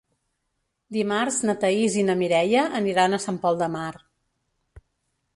Dimarts na Thaís i na Mireia aniran a Sant Pol de Mar.